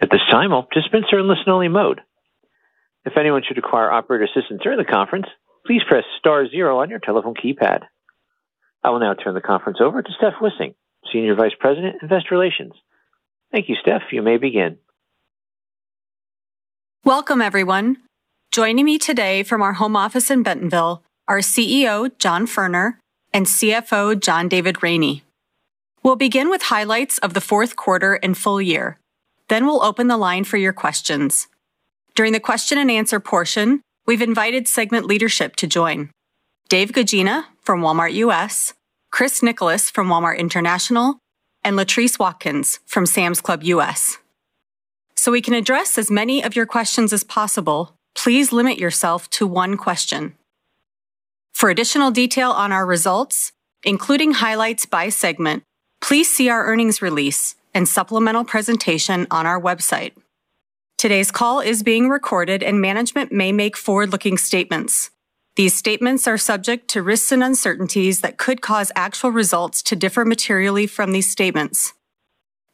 At this time, all participants are in listen-only mode. If anyone should require operator assistance during the conference, please press star zero on your telephone keypad. I will now turn the conference over to Steph Wissink, Senior Vice President, Investor Relations. Thank you, Steph. You may begin. Welcome, everyone. Joining me today from our home office in Bentonville, are CEO, John Furner, and CFO, John David Rainey. We'll begin with highlights of the fourth quarter and full year, then we'll open the line for your questions. During the question and answer portion, we've invited segment leadership to join: Dave Guggina from Walmart U.S., Chris Nicholas from Walmart International, and Latriece Watkins from Sam's Club U.S. So we can address as many of your questions as possible, please limit yourself to one question. For additional detail on our results, including highlights by segment, please see our earnings release and supplemental presentation on our website. Today's call is being recorded, and management may make forward-looking statements. These statements are subject to risks and uncertainties that could cause actual results to differ materially from these statements.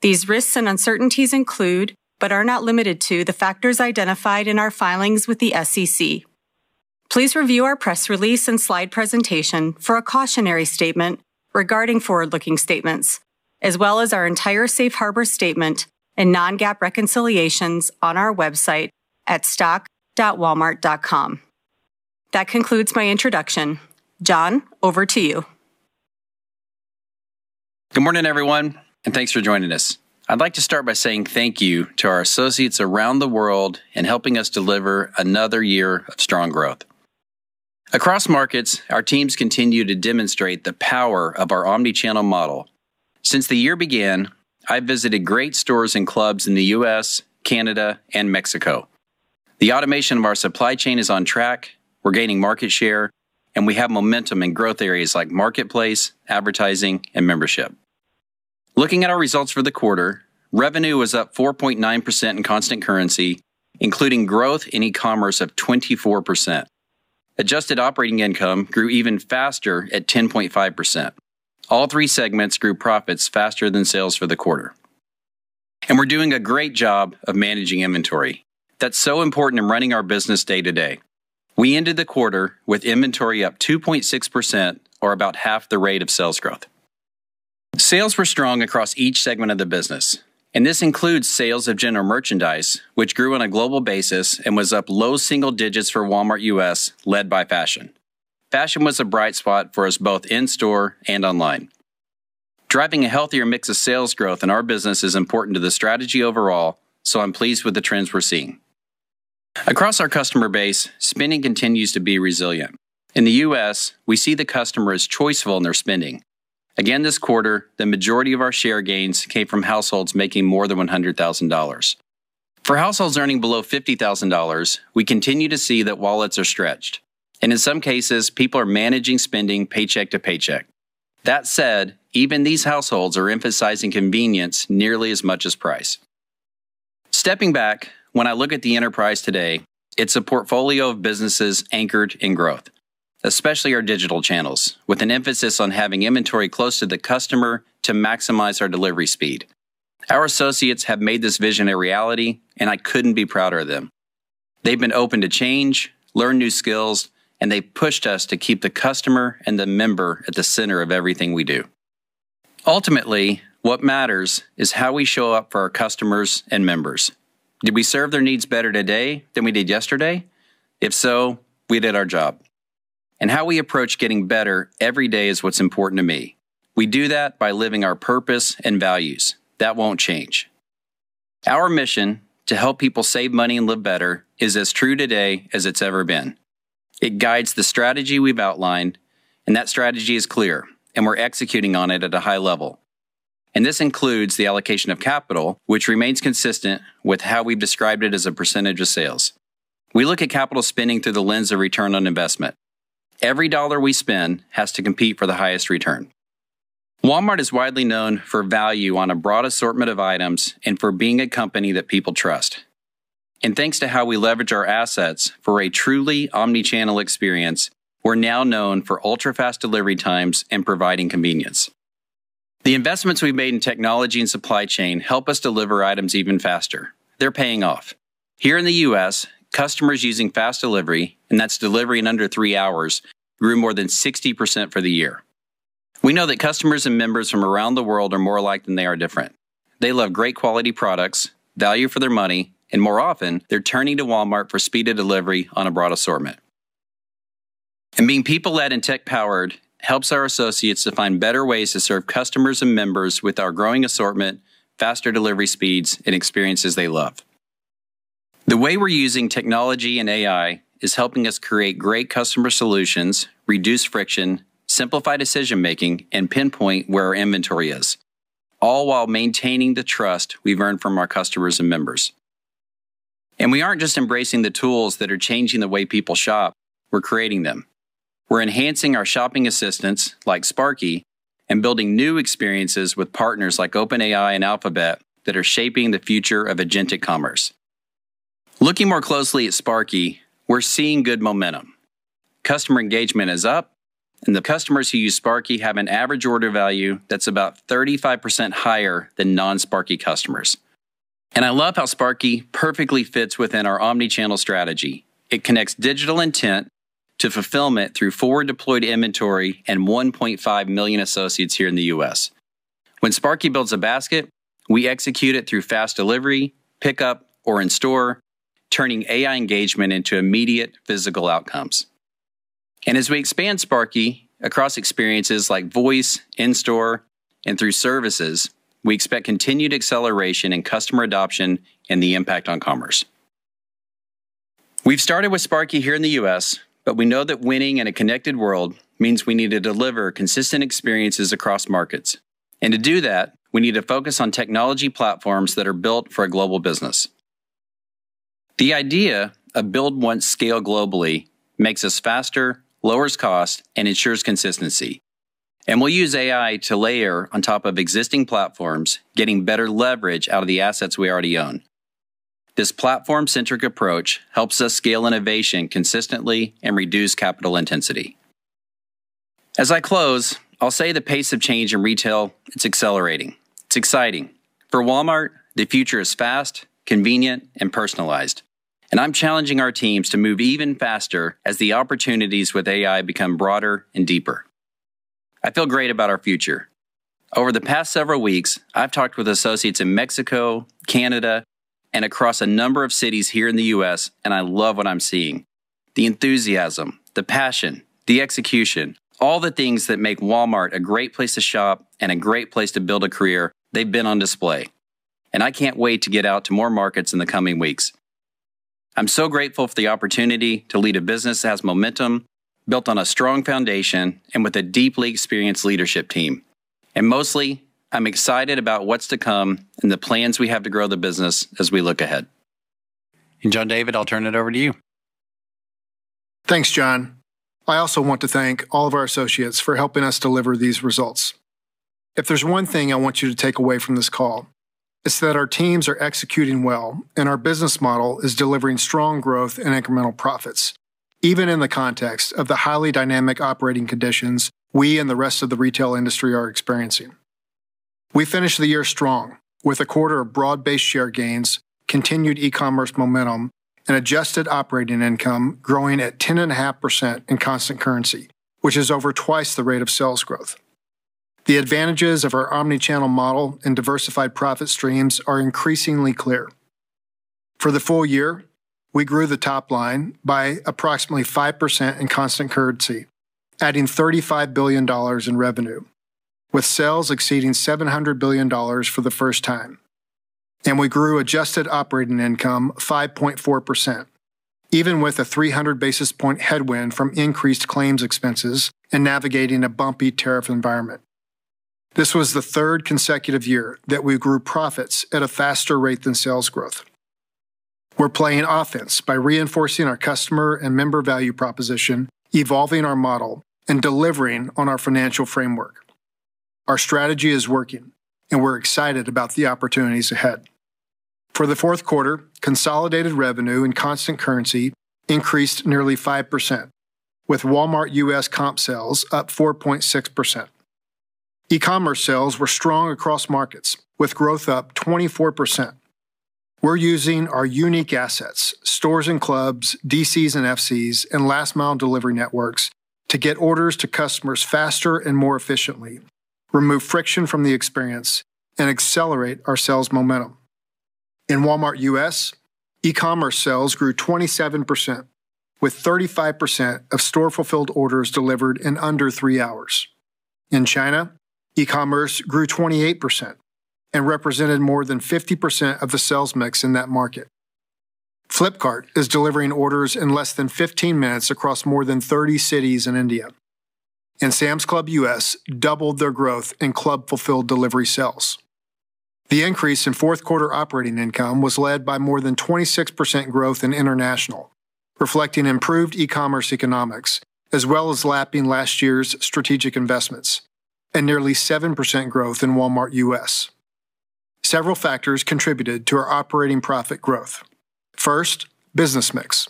These risks and uncertainties include, but are not limited to, the factors identified in our filings with the SEC. Please review our press release and slide presentation for a cautionary statement regarding forward-looking statements, as well as our entire safe harbor statement and non-GAAP reconciliations on our website at stock.walmart.com. That concludes my introduction. John, over to you. Good morning, everyone, and thanks for joining us. I'd like to start by saying thank you to our associates around the world in helping us deliver another year of strong growth. Across markets, our teams continue to demonstrate the power of our omnichannel model. Since the year began, I've visited great stores and clubs in the U.S., Canada, and Mexico. The automation of our supply chain is on track, we're gaining market share, and we have momentum in growth areas like Marketplace, advertising, and membership. Looking at our results for the quarter, revenue was up 4.9% in constant currency, including growth in e-commerce of 24%. Adjusted operating income grew even faster at 10.5%. All three segments grew profits faster than sales for the quarter. And we're doing a great job of managing inventory. That's so important in running our business day-to-day. We ended the quarter with inventory up 2.6% or about half the rate of sales growth. Sales were strong across each segment of the business, and this includes sales of general merchandise, which grew on a global basis and was up low single digits for Walmart U.S., led by fashion. Fashion was a bright spot for us, both in-store and online. Driving a healthier mix of sales growth in our business is important to the strategy overall, so I'm pleased with the trends we're seeing. Across our customer base, spending continues to be resilient. In the U.S., we see the customer as choiceful in their spending. Again, this quarter, the majority of our share gains came from households making more than $100,000. For households earning below $50,000, we continue to see that wallets are stretched, and in some cases, people are managing spending paycheck to paycheck. That said, even these households are emphasizing convenience nearly as much as price. Stepping back, when I look at the enterprise today, it's a portfolio of businesses anchored in growth, especially our digital channels, with an emphasis on having inventory close to the customer to maximize our delivery speed. Our associates have made this vision a reality, and I couldn't be prouder of them. They've been open to change, learn new skills, and they've pushed us to keep the customer and the member at the center of everything we do. Ultimately, what matters is how we show up for our customers and members. Did we serve their needs better today than we did yesterday? If so, we did our job. How we approach getting better every day is what's important to me. We do that by living our purpose and values. That won't change. Our mission: to help people save money and live better, is as true today as it's ever been. It guides the strategy we've outlined, and that strategy is clear, and we're executing on it at a high level. This includes the allocation of capital, which remains consistent with how we've described it as a percentage of sales. We look at capital spending through the lens of return on investment. Every dollar we spend has to compete for the highest return. Walmart is widely known for value on a broad assortment of items and for being a company that people trust. Thanks to how we leverage our assets for a truly omnichannel experience, we're now known for ultra-fast delivery times and providing convenience. The investments we've made in technology and supply chain help us deliver items even faster. They're paying off. Here in the U.S., customers using fast delivery, and that's delivery in under three hours, grew more than 60% for the year. We know that customers and members from around the world are more alike than they are different. They love great quality products, value for their money, and more often, they're turning to Walmart for speed of delivery on a broad assortment. Being people-led and tech-powered helps our associates to find better ways to serve customers and members with our growing assortment, faster delivery speeds, and experiences they love. The way we're using technology and AI is helping us create great customer solutions, reduce friction, simplify decision-making, and pinpoint where our inventory is, all while maintaining the trust we've earned from our customers and members. We aren't just embracing the tools that are changing the way people shop, we're creating them. We're enhancing our shopping assistants, like Sparky, and building new experiences with partners like OpenAI and Alphabet that are shaping the future of Agentic commerce. Looking more closely at Sparky, we're seeing good momentum. Customer engagement is up, and the customers who use Sparky have an average order value that's about 35% higher than non-Sparky customers. I love how Sparky perfectly fits within our omni-channel strategy. It connects digital intent to fulfillment through forward-deployed inventory and 1.5 million associates here in the U.S. When Sparky builds a basket, we execute it through fast delivery, pickup, or in-store, turning AI engagement into immediate physical outcomes. As we expand Sparky across experiences like voice, in-store, and through services, we expect continued acceleration in customer adoption and the impact on commerce. We've started with Sparky here in the U.S., but we know that winning in a connected world means we need to deliver consistent experiences across markets. And to do that, we need to focus on technology platforms that are built for a global business. The idea of build once, scale globally, makes us faster, lowers cost, and ensures consistency, and we'll use AI to layer on top of existing platforms, getting better leverage out of the assets we already own. This platform-centric approach helps us scale innovation consistently and reduce capital intensity. As I close, I'll say the pace of change in retail. It's accelerating. It's exciting. For Walmart, the future is fast, convenient, and personalized, and I'm challenging our teams to move even faster as the opportunities with AI become broader and deeper. I feel great about our future. Over the past several weeks, I've talked with associates in Mexico, Canada, and across a number of cities here in the U.S., and I love what I'm seeing. The enthusiasm, the passion, the execution, all the things that make Walmart a great place to shop and a great place to build a career, they've been on display, and I can't wait to get out to more markets in the coming weeks. I'm so grateful for the opportunity to lead a business that has momentum, built on a strong foundation, and with a deeply experienced leadership team. And mostly, I'm excited about what's to come and the plans we have to grow the business as we look ahead. And John David, I'll turn it over to you. Thanks, John. I also want to thank all of our associates for helping us deliver these results. If there's one thing I want you to take away from this call, it's that our teams are executing well, and our business model is delivering strong growth and incremental profits, even in the context of the highly dynamic operating conditions we and the rest of the retail industry are experiencing. We finished the year strong, with a quarter of broad-based share gains, continued e-commerce momentum, and Adjusted operating income growing at 10.5% in constant currency, which is over twice the rate of sales growth. The advantages of our omni-channel model and diversified profit streams are increasingly clear. For the full year, we grew the top line by approximately 5% in constant currency, adding $35 billion in revenue, with sales exceeding $700 billion for the first time. We grew Adjusted operating income 5.4%, even with a 300 basis point headwind from increased claims expenses and navigating a bumpy tariff environment. This was the third consecutive year that we grew profits at a faster rate than sales growth. We're playing offense by reinforcing our customer and member value proposition, evolving our model, and delivering on our financial framework. Our strategy is working, and we're excited about the opportunities ahead. For the fourth quarter, consolidated revenue and constant currency increased nearly 5%, with Walmart U.S. comp sales up 4.6%. E-commerce sales were strong across markets, with growth up 24%. We're using our unique assets, stores and clubs, DCs and FCs, and last mile delivery networks, to get orders to customers faster and more efficiently, remove friction from the experience, and accelerate our sales momentum. In Walmart U.S., e-commerce sales grew 27%, with 35% of store-fulfilled orders delivered in under 3 hours. In China, e-commerce grew 28% and represented more than 50% of the sales mix in that market. Flipkart is delivering orders in less than 15 minutes across more than 30 cities in India, and Sam's Club U.S. doubled their growth in club-fulfilled delivery sales. The increase in fourth quarter operating income was led by more than 26% growth in international, reflecting improved e-commerce economics, as well as lapping last year's strategic investments and nearly 7% growth in Walmart U.S. Several factors contributed to our operating profit growth. First, business mix.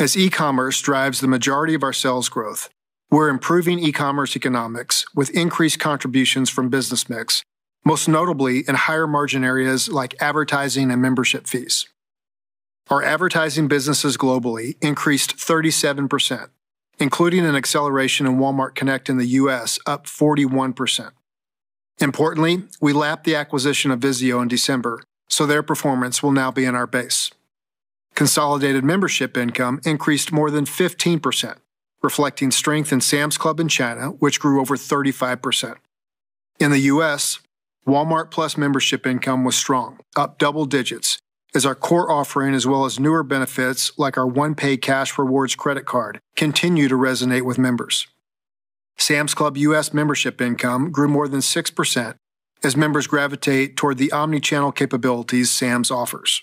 As e-commerce drives the majority of our sales growth, we're improving e-commerce economics with increased contributions from business mix, most notably in higher margin areas like advertising and membership fees. Our advertising businesses globally increased 37%, including an acceleration in Walmart Connect in the U.S., up 41%. Importantly, we lapped the acquisition of VIZIO in December, so their performance will now be in our base. Consolidated membership income increased more than 15%, reflecting strength in Sam's Club in China, which grew over 35%. In the U.S., Walmart+ membership income was strong, up double digits, as our core offering, as well as newer benefits like our One Pay Cash Rewards credit card, continue to resonate with members. Sam's Club U.S. membership income grew more than 6% as members gravitate toward the omni-channel capabilities Sam's offers.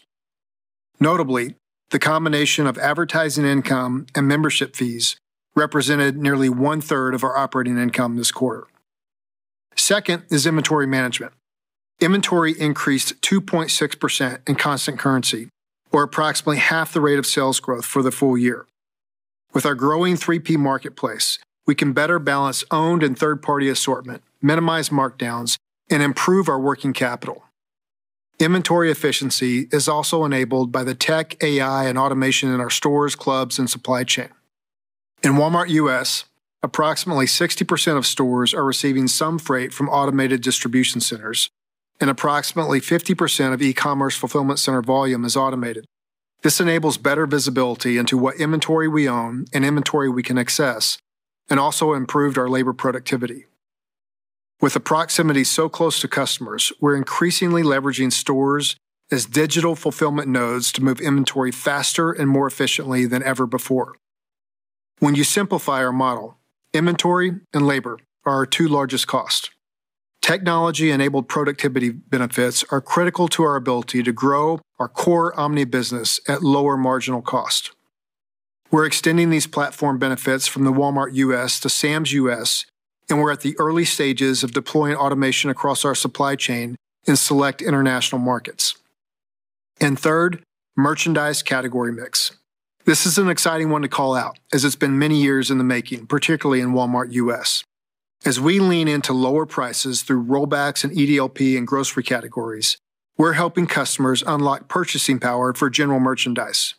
Notably, the combination of advertising income and membership fees represented nearly one-third of our operating income this quarter. Second is inventory management. Inventory increased 2.6% in constant currency, or approximately half the rate of sales growth for the full year. With our growing 3P Marketplace, we can better balance owned and third-party assortment, minimize markdowns, and improve our working capital. Inventory efficiency is also enabled by the tech, AI, and automation in our stores, clubs, and supply chain. In Walmart U.S., approximately 60% of stores are receiving some freight from automated distribution centers, and approximately 50% of e-commerce fulfillment center volume is automated. This enables better visibility into what inventory we own and inventory we can access, and also improved our labor productivity. With a proximity so close to customers, we're increasingly leveraging stores as digital fulfillment nodes to move inventory faster and more efficiently than ever before. When you simplify our model, inventory and labor are our two largest costs. Technology-enabled productivity benefits are critical to our ability to grow our core omni business at lower marginal cost. We're extending these platform benefits from the Walmart U.S. to Sam's U.S., and we're at the early stages of deploying automation across our supply chain in select international markets. Third, merchandise category mix. This is an exciting one to call out, as it's been many years in the making, particularly in Walmart U.S. As we lean into lower prices through rollbacks and EDLP and grocery categories, we're helping customers unlock purchasing power for general merchandise.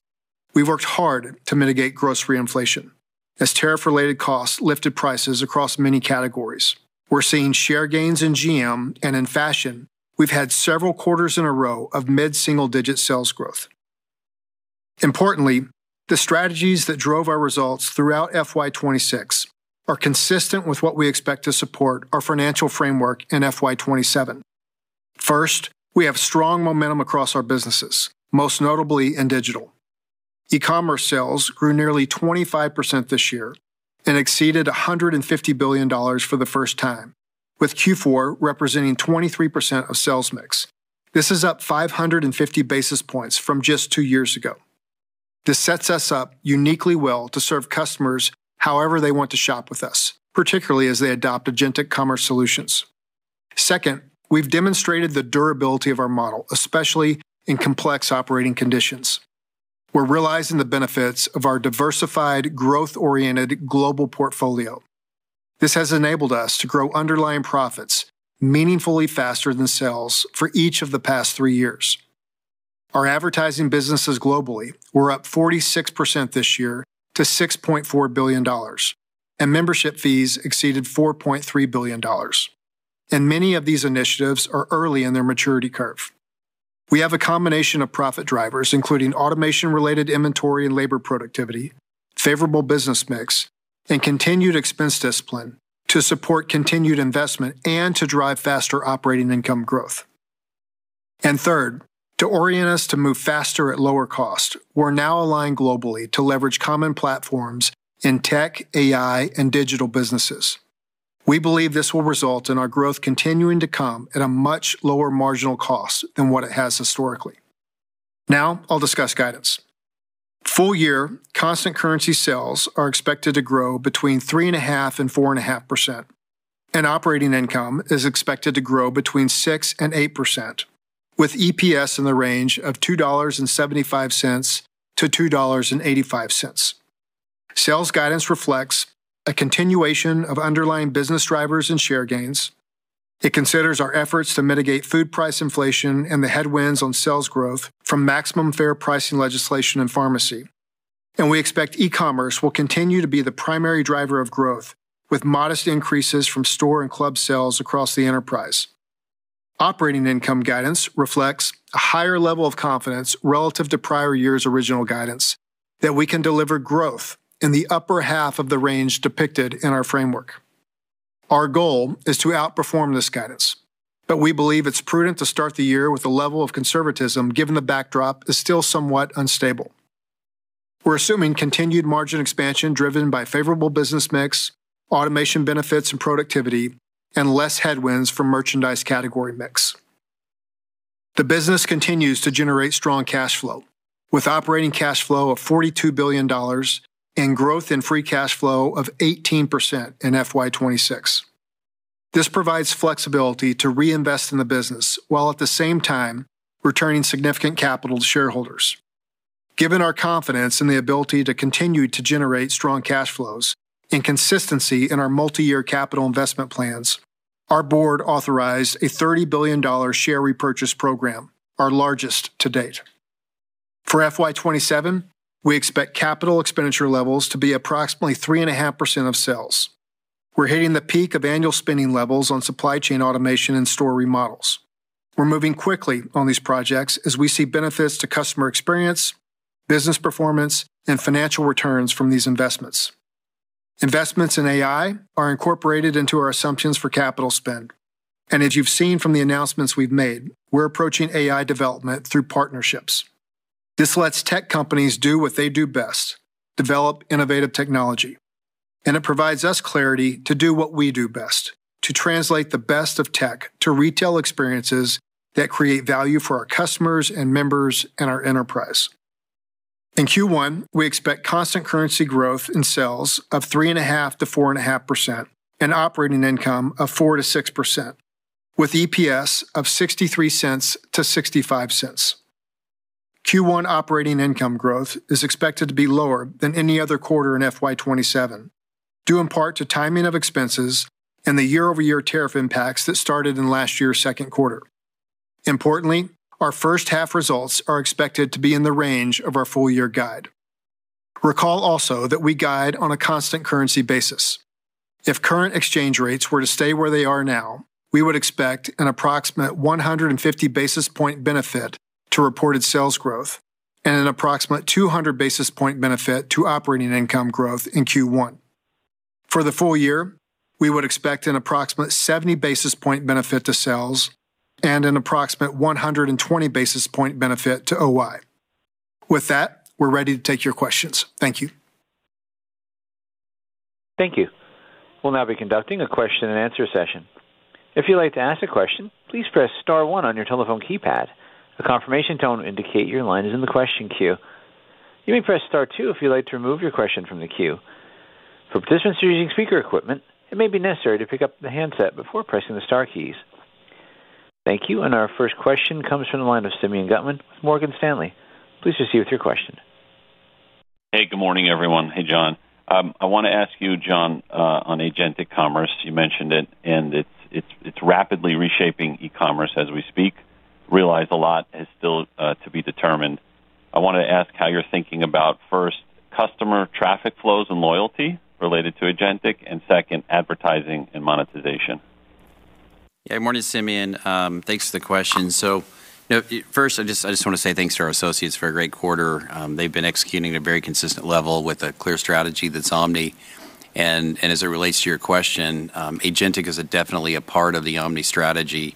We've worked hard to mitigate grocery inflation, as tariff-related costs lifted prices across many categories. We're seeing share gains in GM, and in fashion, we've had several quarters in a row of mid-single-digit sales growth. Importantly, the strategies that drove our results throughout FY26 are consistent with what we expect to support our financial framework in FY27. First, we have strong momentum across our businesses, most notably in digital. E-commerce sales grew nearly 25% this year and exceeded $150 billion for the first time, with Q4 representing 23% of sales mix. This is up 550 basis points from just two years ago. This sets us up uniquely well to serve customers however they want to shop with us, particularly as they adopt agentic commerce solutions. Second, we've demonstrated the durability of our model, especially in complex operating conditions. We're realizing the benefits of our diversified, growth-oriented global portfolio. This has enabled us to grow underlying profits meaningfully faster than sales for each of the past three years. Our advertising businesses globally were up 46% this year to $6.4 billion, and membership fees exceeded $4.3 billion. Many of these initiatives are early in their maturity curve. We have a combination of profit drivers, including automation-related inventory and labor productivity, favorable business mix, and continued expense discipline to support continued investment and to drive faster operating income growth. Third, to orient us to move faster at lower cost, we're now aligned globally to leverage common platforms in tech, AI, and digital businesses. We believe this will result in our growth continuing to come at a much lower marginal cost than what it has historically. Now I'll discuss guidance. Full-year constant currency sales are expected to grow between 3.5% and 4.5%, and operating income is expected to grow between 6% and 8%, with EPS in the range of $2.75-$2.85. Sales guidance reflects a continuation of underlying business drivers and share gains. It considers our efforts to mitigate food price inflation and the headwinds on sales growth from maximum fair pricing legislation and pharmacy. We expect e-commerce will continue to be the primary driver of growth, with modest increases from store and club sales across the enterprise. Operating income guidance reflects a higher level of confidence relative to prior year's original guidance, that we can deliver growth in the upper half of the range depicted in our framework. Our goal is to outperform this guidance, but we believe it's prudent to start the year with a level of conservatism, given the backdrop is still somewhat unstable. We're assuming continued margin expansion, driven by favorable business mix, automation benefits and productivity, and less headwinds from merchandise category mix. The business continues to generate strong cash flow, with operating cash flow of $42 billion and growth in free cash flow of 18% in FY26. This provides flexibility to reinvest in the business, while at the same time, returning significant capital to shareholders. Given our confidence in the ability to continue to generate strong cash flows and consistency in our multi-year capital investment plans, our board authorized a $30 billion share repurchase program, our largest to date. For FY27, we expect capital expenditure levels to be approximately 3.5% of sales. We're hitting the peak of annual spending levels on supply chain automation and store remodels. We're moving quickly on these projects as we see benefits to customer experience, business performance, and financial returns from these investments. Investments in AI are incorporated into our assumptions for capital spend. As you've seen from the announcements we've made, we're approaching AI development through partnerships. This lets tech companies do what they do best, develop innovative technology, and it provides us clarity to do what we do best, to translate the best of tech to retail experiences that create value for our customers and members and our enterprise. In Q1, we expect constant currency growth in sales of 3.5%-4.5%, and operating income of 4%-6%, with EPS of $0.63-$0.65. Q1 operating income growth is expected to be lower than any other quarter in FY27, due in part to timing of expenses and the year-over-year tariff impacts that started in last year's second quarter. Importantly, our first half results are expected to be in the range of our full year guide. Recall also that we guide on a constant currency basis. If current exchange rates were to stay where they are now, we would expect an approximate 150 basis point benefit to reported sales growth and an approximate 200 basis point benefit to operating income growth in Q1. For the full year, we would expect an approximate 70 basis point benefit to sales and an approximate 120 basis point benefit to OI. With that, we're ready to take your questions. Thank you. Thank you. We'll now be conducting a question and answer session. If you'd like to ask a question, please press star one on your telephone keypad. A confirmation tone will indicate your line is in the question queue. You may press star two if you'd like to remove your question from the queue. For participants who are using speaker equipment, it may be necessary to pick up the handset before pressing the star keys. Thank you, and our first question comes from the line of Simeon Gutman with Morgan Stanley. Please proceed with your question. Hey, good morning, everyone. Hey, John. I wanna ask you, John, on agentic commerce. You mentioned it, and it's rapidly reshaping e-commerce as we speak. I realize a lot is still to be determined. I wanna ask how you're thinking about, first, customer traffic flows and loyalty related to agentic, and second, advertising and monetization. Yeah, morning, Simeon. Thanks for the question. So, you know, first, I just wanna say thanks to our associates for a great quarter. They've been executing at a very consistent level with a clear strategy that's omni. And as it relates to your question, agentic is definitely a part of the omni strategy.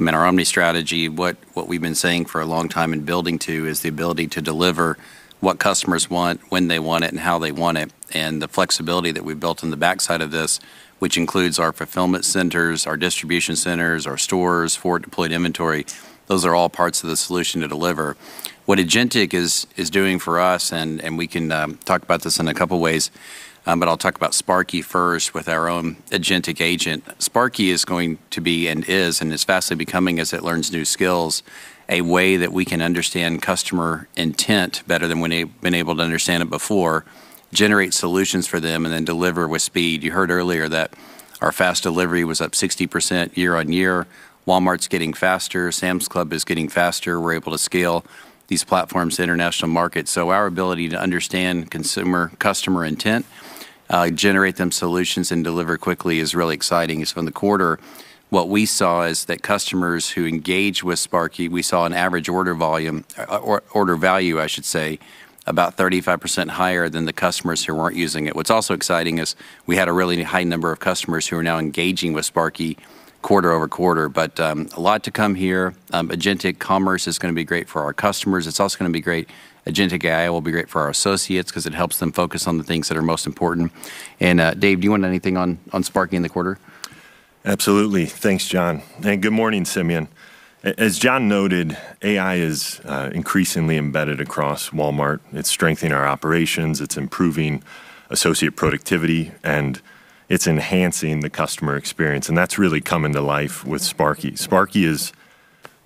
I mean, our omni strategy, what we've been saying for a long time and building to, is the ability to deliver what customers want, when they want it, and how they want it. And the flexibility that we've built on the backside of this, which includes our fulfillment centers, our distribution centers, our stores, forward-deployed inventory, those are all parts of the solution to deliver. What agentic is, is doing for us, and, and we can talk about this in a couple of ways, but I'll talk about Sparky first with our own agentic agent. Sparky is going to be, and is, and is vastly becoming, as it learns new skills, a way that we can understand customer intent better than we've been able to understand it before, generate solutions for them, and then deliver with speed. You heard earlier that our fast delivery was up 60% year-over-year. Walmart's getting faster. Sam's Club is getting faster. We're able to scale these platforms to international markets. So our ability to understand customer intent, generate them solutions, and deliver quickly is really exciting. So in the quarter, what we saw is that customers who engage with Sparky, we saw an average order volume, or order value, I should say, about 35% higher than the customers who weren't using it. What's also exciting is we had a really high number of customers who are now engaging with Sparky quarter-over-quarter. But a lot to come here. Agentic Commerce is gonna be great for our customers. It's also gonna be great. Agentic AI will be great for our associates because it helps them focus on the things that are most important. And Dave, do you want anything on, on Sparky in the quarter? Absolutely. Thanks, John, and good morning, Simeon. As John noted, AI is increasingly embedded across Walmart. It's strengthening our operations, it's improving associate productivity, and it's enhancing the customer experience, and that's really coming to life with Sparky. Sparky is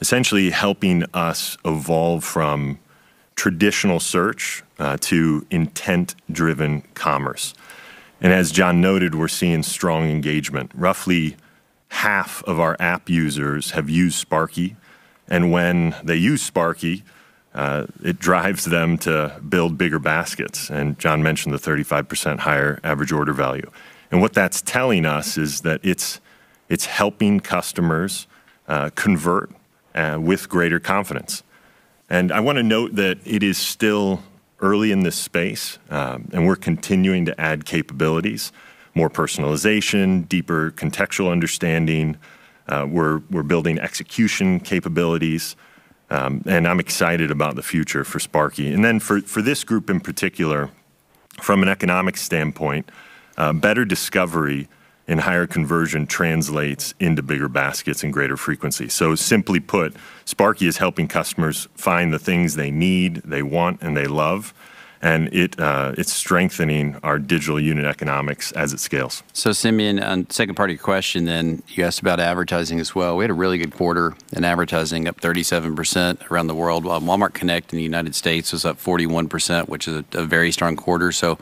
essentially helping us evolve from traditional search to intent-driven commerce. And as John noted, we're seeing strong engagement. Roughly half of our app users have used Sparky, and when they use Sparky, it drives them to build bigger baskets, and John mentioned the 35% higher average order value. And what that's telling us is that it's helping customers convert with greater confidence. And I wanna note that it is still early in this space, and we're continuing to add capabilities, more personalization, deeper contextual understanding. We're building execution capabilities, and I'm excited about the future for Sparky. Then for this group in particular, from an economic standpoint, better discovery and higher conversion translates into bigger baskets and greater frequency. So simply put, Sparky is helping customers find the things they need, they want, and they love, and it's strengthening our digital unit economics as it scales. So, Simeon, on the second part of your question, then, you asked about advertising as well. We had a really good quarter in advertising, up 37% around the world. While Walmart Connect in the United States was up 41%, which is a very strong quarter. So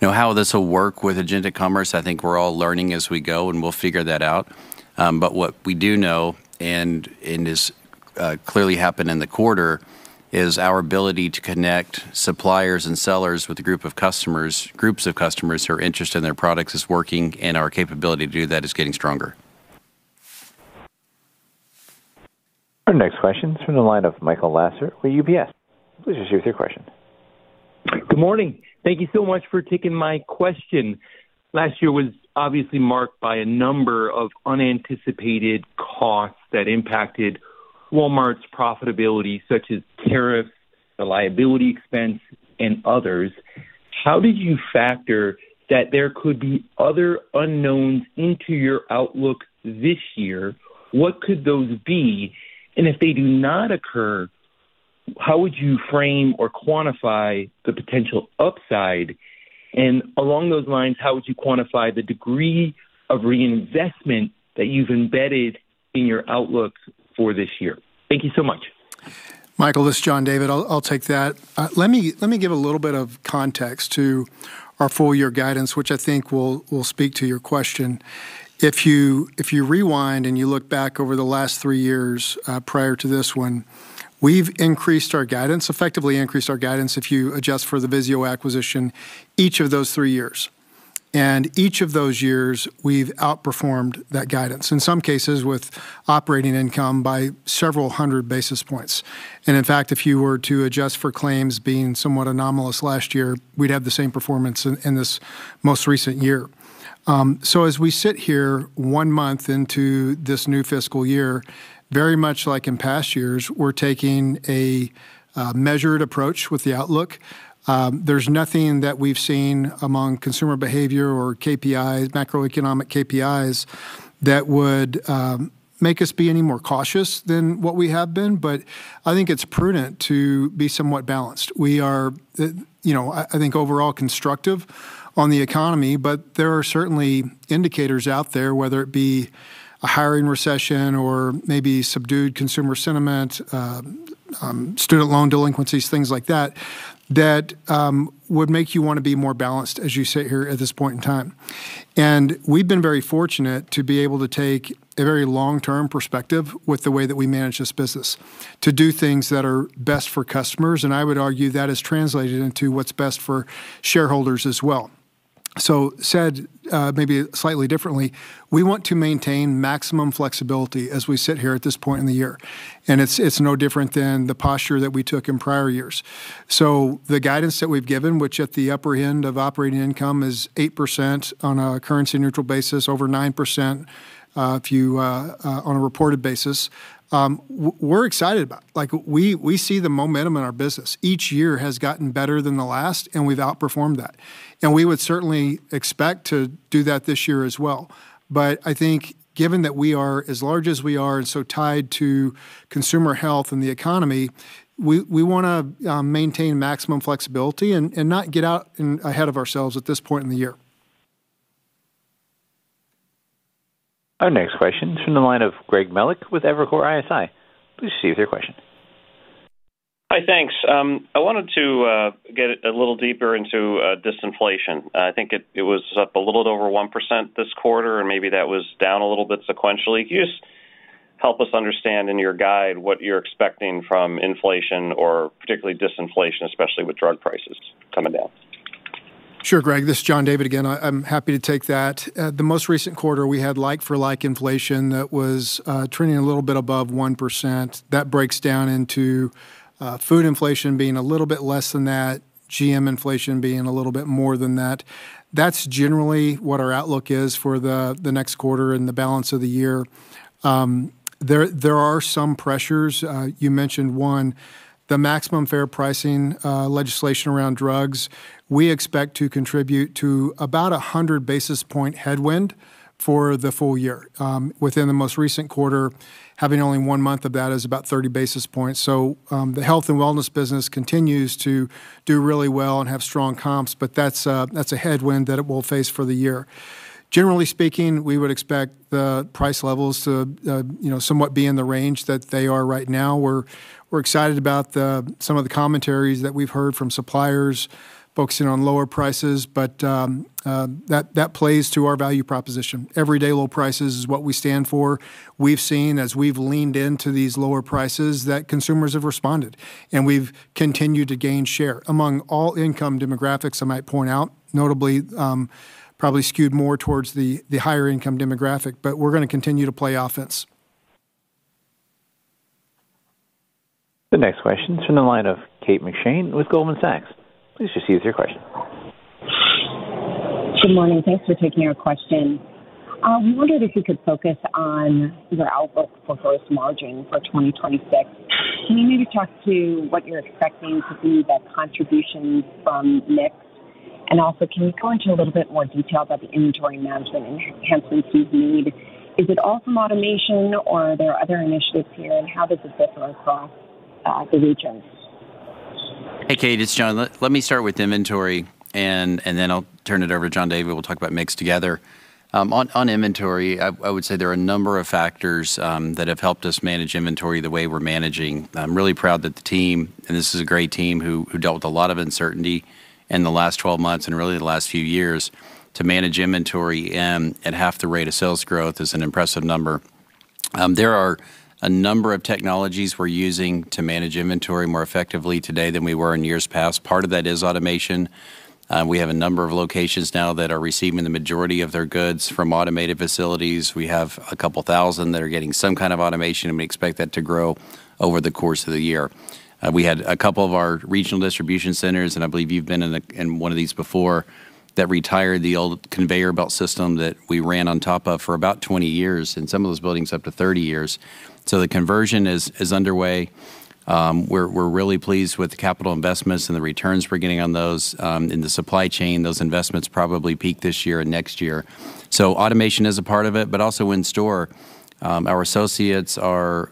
you know how this will work with agentic commerce, I think we're all learning as we go, and we'll figure that out. But what we do know, and this clearly happened in the quarter, is our ability to connect suppliers and sellers with a group of customers, groups of customers who are interested in their products, is working, and our capability to do that is getting stronger. Our next question is from the line of Michael Lasser with UBS. Please proceed with your question. Good morning. Thank you so much for taking my question. Last year was obviously marked by a number of unanticipated costs that impacted Walmart's profitability, such as tariffs, the liability expense, and others. How did you factor that there could be other unknowns into your outlook this year? What could those be? And if they do not occur, how would you frame or quantify the potential upside? And along those lines, how would you quantify the degree of reinvestment that you've embedded in your outlook for this year? Thank you so much. Michael, this is John David. I'll, I'll take that. Let me, let me give a little bit of context to our full year guidance, which I think will, will speak to your question. If you, if you rewind and you look back over the last three years, prior to this one, we've increased our guidance, effectively increased our guidance, if you adjust for the VIZIO acquisition, each of those three years. And each of those years, we've outperformed that guidance, in some cases, with operating income by several hundred basis points. And in fact, if you were to adjust for claims being somewhat anomalous last year, we'd have the same performance in, in this most recent year. So as we sit here one month into this new fiscal year, very much like in past years, we're taking a measured approach with the outlook. There's nothing that we've seen among consumer behavior or KPIs, macroeconomic KPIs, that would make us be any more cautious than what we have been, but I think it's prudent to be somewhat balanced. We are, you know, I think, overall constructive on the economy, but there are certainly indicators out there, whether it be a hiring recession or maybe subdued consumer sentiment, student loan delinquencies, things like that, that would make you want to be more balanced as you sit here at this point in time. We've been very fortunate to be able to take a very long-term perspective with the way that we manage this business, to do things that are best for customers, and I would argue that has translated into what's best for shareholders as well. So said, maybe slightly differently, we want to maintain maximum flexibility as we sit here at this point in the year, and it's no different than the posture that we took in prior years. So the guidance that we've given, which at the upper end of operating income, is 8% on a currency-neutral basis, over 9%, if you, on a reported basis. We're excited about it. Like, we see the momentum in our business. Each year has gotten better than the last, and we've outperformed that, and we would certainly expect to do that this year as well. But I think given that we are as large as we are and so tied to consumer health and the economy, we wanna maintain maximum flexibility and not get out ahead of ourselves at this point in the year. Our next question is from the line of Greg Melich with Evercore ISI. Please proceed with your question. Hi, thanks. I wanted to get a little deeper into disinflation. I think it was up a little over 1% this quarter, and maybe that was down a little bit sequentially. Can you just help us understand in your guide what you're expecting from inflation or particularly disinflation, especially with drug prices coming down? Sure, Greg, this is John David again. I, I'm happy to take that. The most recent quarter, we had like-for-like inflation that was trending a little bit above 1%. That breaks down into food inflation being a little bit less than that, GM inflation being a little bit more than that. That's generally what our outlook is for the next quarter and the balance of the year. There are some pressures. You mentioned one, the maximum fair pricing legislation around drugs, we expect to contribute to about 100 basis points headwind for the full year. Within the most recent quarter, having only one month of that is about 30 basis points. So, the health and wellness business continues to do really well and have strong comps, but that's a headwind that it will face for the year. Generally speaking, we would expect the price levels to, you know, somewhat be in the range that they are right now. We're excited about some of the commentaries that we've heard from suppliers focusing on lower prices, but that plays to our value proposition. Everyday Low Prices is what we stand for. We've seen, as we've leaned into these lower prices, that consumers have responded, and we've continued to gain share among all income demographics, I might point out, notably, probably skewed more towards the higher income demographic, but we're gonna continue to play offense. The next question is from the line of Kate McShane with Goldman Sachs. Please proceed with your question. Good morning. Thanks for taking our question. I wondered if you could focus on your outlook for gross margin for 2026. Can you maybe talk to what you're expecting to be the contribution from mix? And also, can you go into a little bit more detail about the inventory management enhancements you need? Is it all from automation, or are there other initiatives here, and how does this differ across the regions? Hey, Kate, it's John. Let me start with inventory, and then I'll turn it over to John David. We'll talk about mix together. On inventory, I would say there are a number of factors that have helped us manage inventory the way we're managing. I'm really proud that the team, and this is a great team, who dealt with a lot of uncertainty in the last 12 months, and really the last few years, to manage inventory and at half the rate of sales growth is an impressive number. There are a number of technologies we're using to manage inventory more effectively today than we were in years past. Part of that is automation. We have a number of locations now that are receiving the majority of their goods from automated facilities. We have a couple thousand that are getting some kind of automation, and we expect that to grow over the course of the year. We had a couple of our regional distribution centers, and I believe you've been in one of these before, that retired the old conveyor belt system that we ran on top of for about 20 years, in some of those buildings, up to 30 years. So the conversion is underway. We're really pleased with the capital investments and the returns we're getting on those. In the supply chain, those investments probably peak this year and next year. So automation is a part of it, but also in store, our associates are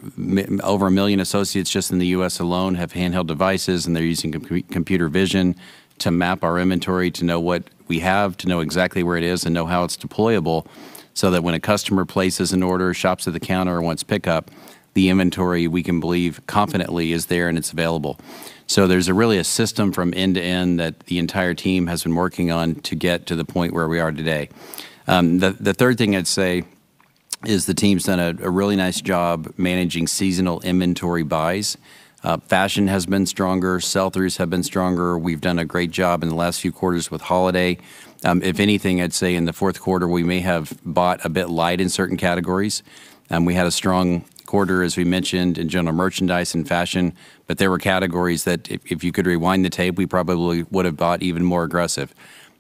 over 1 million associates just in the U.S. alone, have handheld devices, and they're using computer vision to map our inventory, to know what we have, to know exactly where it is, and know how it's deployable, so that when a customer places an order, shops at the counter, or wants pickup, the inventory we can believe confidently is there and it's available. So there's a really a system from end to end that the entire team has been working on to get to the point where we are today. The third thing I'd say is the team's done a really nice job managing seasonal inventory buys. Fashion has been stronger, sell-throughs have been stronger. We've done a great job in the last few quarters with holiday. If anything, I'd say in the fourth quarter, we may have bought a bit light in certain categories. We had a strong quarter, as we mentioned, in general merchandise and fashion, but there were categories that if you could rewind the tape, we probably would have bought even more aggressive.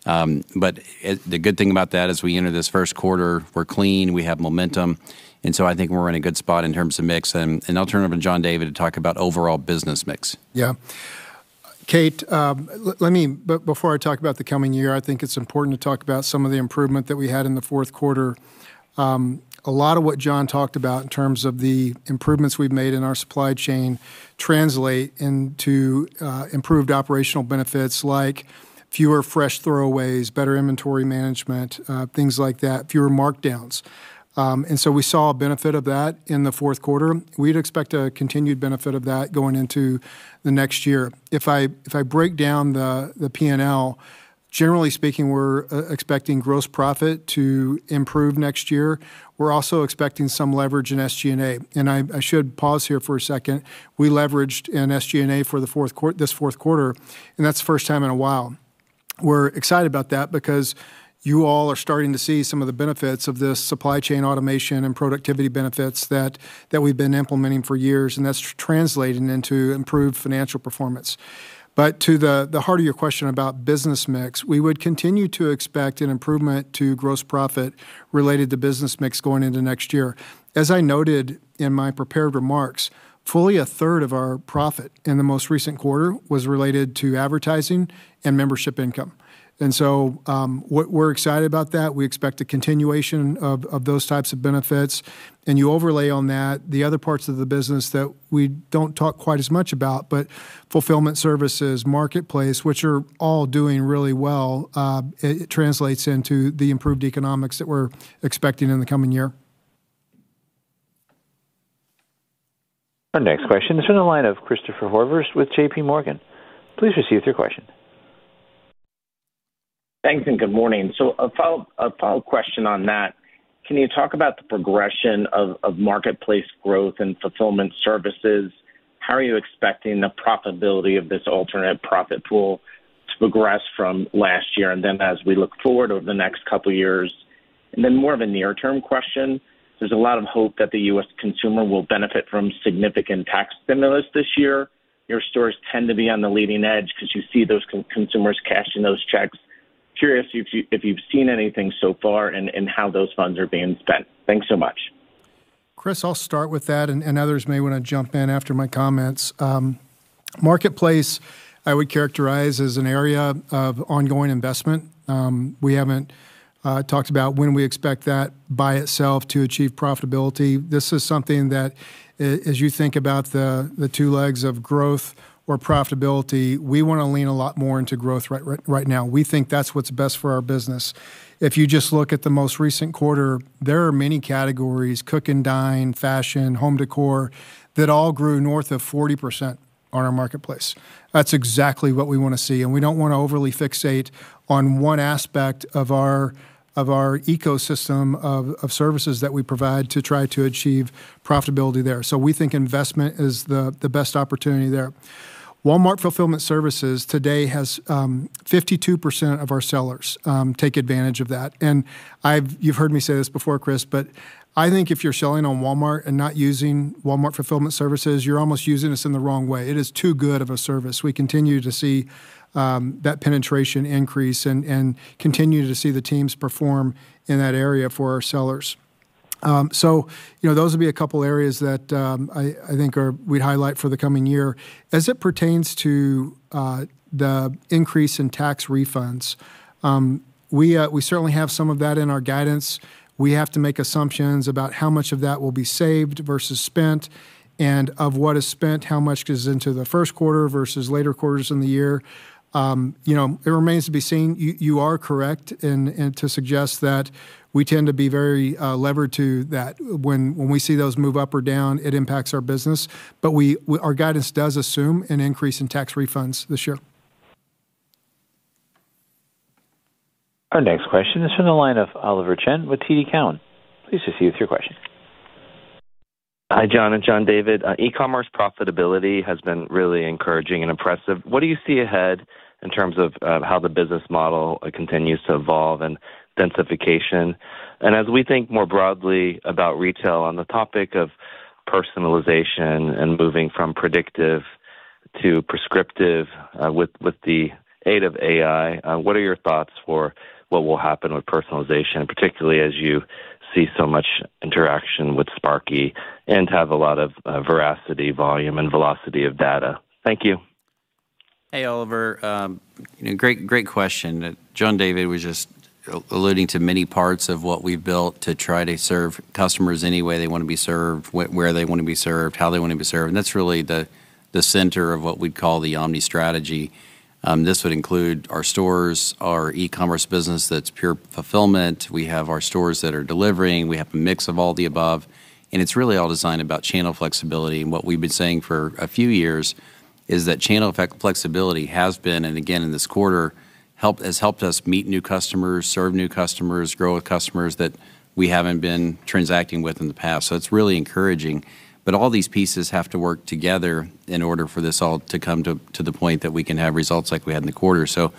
But the good thing about that, as we enter this first quarter, we're clean, we have momentum, and so I think we're in a good spot in terms of mix. I'll turn it over to John David to talk about overall business mix. Yeah. Kate, let me. But before I talk about the coming year, I think it's important to talk about some of the improvement that we had in the fourth quarter. A lot of what John talked about in terms of the improvements we've made in our supply chain translate into improved operational benefits, like fewer fresh throwaways, better inventory management, things like that, fewer markdowns. And so we saw a benefit of that in the fourth quarter. We'd expect a continued benefit of that going into the next year. If I break down the P&L, generally speaking, we're expecting gross profit to improve next year. We're also expecting some leverage in SG&A, and I should pause here for a second. We leveraged in SG&A for this fourth quarter, and that's the first time in a while. We're excited about that because you all are starting to see some of the benefits of this supply chain automation and productivity benefits that we've been implementing for years, and that's translating into improved financial performance. But to the heart of your question about business mix, we would continue to expect an improvement to gross profit related to business mix going into next year. As I noted in my prepared remarks, fully a third of our profit in the most recent quarter was related to advertising and membership income. And so, we're excited about that. We expect a continuation of, of those types of benefits, and you overlay on that, the other parts of the business that we don't talk quite as much about, but fulfillment services, Marketplace, which are all doing really well, it, it translates into the improved economics that we're expecting in the coming year. Our next question is in the line of Christopher Horvers with JP Morgan. Please proceed with your question. Thanks, and good morning. So a follow-up question on that: Can you talk about the progression of Marketplace growth and fulfillment services? How are you expecting the profitability of this alternate profit pool to progress from last year, and then as we look forward over the next couple of years? And then more of a near-term question: There's a lot of hope that the U.S. consumer will benefit from significant tax stimulus this year. Your stores tend to be on the leading edge because you see those consumers cashing those checks. Curious if you've seen anything so far and how those funds are being spent. Thanks so much. Chris, I'll start with that, and others may want to jump in after my comments. Marketplace, I would characterize as an area of ongoing investment. We haven't talked about when we expect that by itself to achieve profitability. This is something that as you think about the two legs of growth or profitability, we want to lean a lot more into growth right, right, right now. We think that's what's best for our business. If you just look at the most recent quarter, there are many categories, cook and dine, fashion, home decor, that all grew north of 40% on our Marketplace. That's exactly what we want to see, and we don't want to overly fixate on one aspect of our ecosystem of services that we provide to try to achieve profitability there. So we think investment is the best opportunity there. Walmart Fulfillment Services today has 52% of our sellers take advantage of that. And I've, you've heard me say this before, Chris, but I think if you're selling on Walmart and not using Walmart Fulfillment Services, you're almost using us in the wrong way. It is too good of a service. We continue to see that penetration increase and continue to see the teams perform in that area for our sellers. So, you know, those would be a couple of areas that I think are, we'd highlight for the coming year. As it pertains to the increase in tax refunds, we certainly have some of that in our guidance. We have to make assumptions about how much of that will be saved versus spent, and of what is spent, how much goes into the first quarter versus later quarters in the year. You know, it remains to be seen. You are correct in to suggest that we tend to be very, levered to that. When we see those move up or down, it impacts our business, but our guidance does assume an increase in tax refunds this year. Our next question is from the line of Oliver Chen with TD Cowen. Please proceed with your question. Hi, John and John David. E-commerce profitability has been really encouraging and impressive. What do you see ahead in terms of how the business model continues to evolve and densification? And as we think more broadly about retail, on the topic of personalization and moving from predictive to prescriptive with the aid of AI, what are your thoughts for what will happen with personalization, particularly as you see so much interaction with Sparky and have a lot of veracity, volume, and velocity of data? Thank you. Hey, Oliver. Great, great question. John David was just alluding to many parts of what we've built to try to serve customers any way they want to be served, where they want to be served, how they want to be served, and that's really the center of what we'd call the omni strategy. This would include our stores, our e-commerce business, that's pure fulfillment. We have our stores that are delivering, we have a mix of all the above, and it's really all designed about channel flexibility. And what we've been saying for a few years is that channel effect flexibility has been, and again, in this quarter, has helped us meet new customers, serve new customers, grow with customers that we haven't been transacting with in the past, so it's really encouraging. But all these pieces have to work together in order for this all to come to the point that we can have results like we had in the quarter. So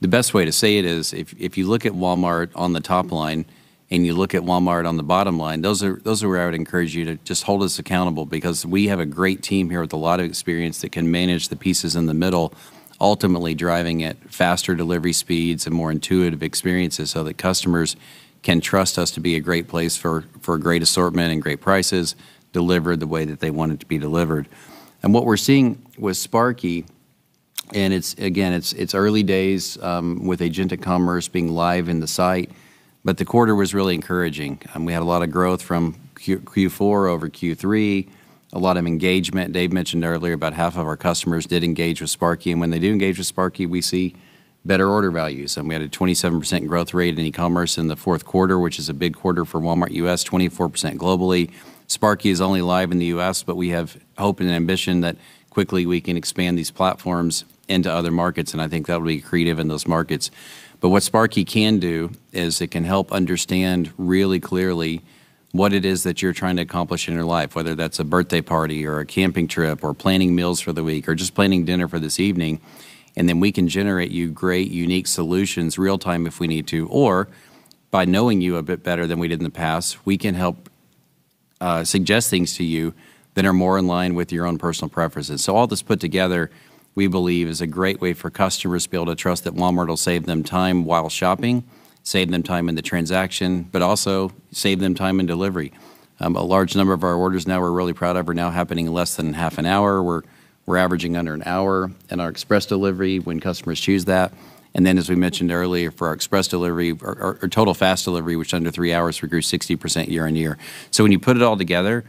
the best way to say it is if you look at Walmart on the top line and you look at Walmart on the bottom line, those are where I would encourage you to just hold us accountable, because we have a great team here with a lot of experience that can manage the pieces in the middle, ultimately driving it faster delivery speeds and more intuitive experiences so that customers can trust us to be a great place for great assortment and great prices, delivered the way that they want it to be delivered. What we're seeing with Sparky, and it's again, it's early days with agentic commerce being live in the site, but the quarter was really encouraging. We had a lot of growth from Q4 over Q3, a lot of engagement. Dave mentioned earlier, about half of our customers did engage with Sparky, and when they do engage with Sparky, we see better order values. And we had a 27% growth rate in e-commerce in the fourth quarter, which is a big quarter for Walmart U.S., 24% globally. Sparky is only live in the U.S., but we have hope and ambition that quickly we can expand these platforms into other markets, and I think that'll be creative in those markets. But what Sparky can do is it can help understand really clearly what it is that you're trying to accomplish in your life, whether that's a birthday party or a camping trip, or planning meals for the week, or just planning dinner for this evening, and then we can generate you great, unique solutions, real time if we need to, or by knowing you a bit better than we did in the past, we can help suggest things to you that are more in line with your own personal preferences. So all this put together, we believe, is a great way for customers to be able to trust that Walmart will save them time while shopping, save them time in the transaction, but also save them time in delivery. A large number of our orders now we're really proud of, are now happening in less than half an hour. We're averaging under an hour in our Express Delivery when customers choose that. And then, as we mentioned earlier, for our Express Delivery or our total fast delivery, which is under three hours, we grew 60% year-over-year. So when you put it all together,